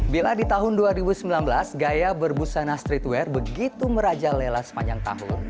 bila di tahun dua ribu sembilan belas gaya berbusana streetwear begitu merajalela sepanjang tahun